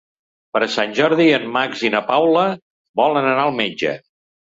Per Sant Jordi en Max i na Paula volen anar al metge.